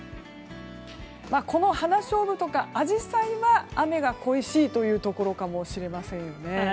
このハナショウブとかアジサイは雨が恋しいというところかもしれませんね。